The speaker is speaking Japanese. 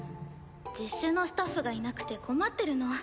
実習のスタッフがいなくて困ってるの。